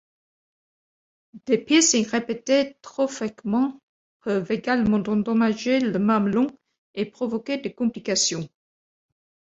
Des piercing répétés trop fréquemment peuvent également endommager le mamelon et provoquer des complications.